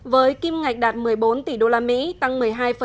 với kim ngạch đạt một mươi bốn tỷ usd tăng một mươi hai